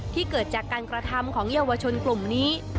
เกิดจากการกระทำของเยาวชนกลุ่มนี้